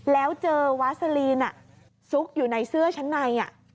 แล้วเจอวาซาลีนซุกอยู่ในเสื้อชั้นใน